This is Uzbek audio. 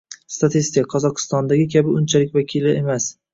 Statistika, Qozog'istondagi kabi, unchalik vakili emas